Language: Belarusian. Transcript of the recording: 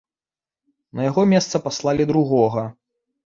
На яго месца паслалі другога.